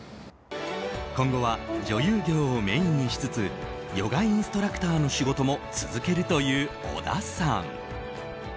今後は女優業をメインにしつつヨガインストラクターの仕事も続けるという小田さん。